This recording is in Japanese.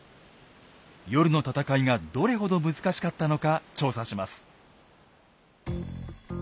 夜の戦いがどれほど難しかったのか調査します。